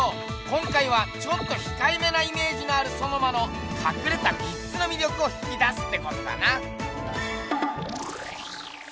今回はちょっとひかえめなイメージのあるソノマのかくれた３つのみりょくを引き出すってことだな。